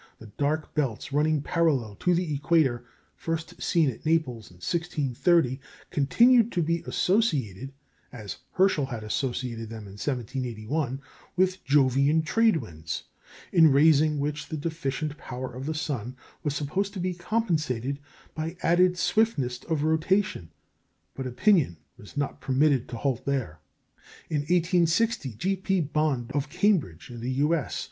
The dark belts running parallel to the equator, first seen at Naples in 1630, continued to be associated as Herschel had associated them in 1781 with Jovian trade winds, in raising which the deficient power of the sun was supposed to be compensated by added swiftness of rotation. But opinion was not permitted to halt here. In 1860 G. P. Bond of Cambridge (U.S.)